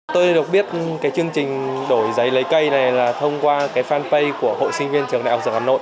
tôi được biết cái chương trình đổi giấy lấy cây này là thông qua cái fanpage của hội sinh viên trường đại học dược hà nội